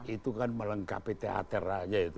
itu kan melengkapi teater rakyat itu